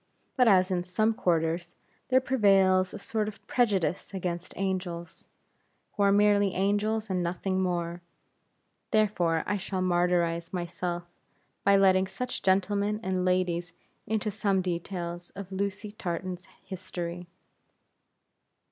But as in some quarters, there prevails a sort of prejudice against angels, who are merely angels and nothing more; therefore I shall martyrize myself, by letting such gentlemen and ladies into some details of Lucy Tartan's history.